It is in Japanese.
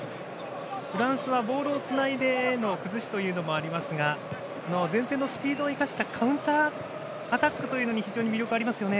フランスはボールをつないでの崩しもありますが前線のスピードを生かしたカウンターアタックというのに非常に魅力がありますね。